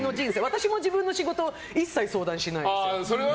私も自分の仕事一切相談しないです。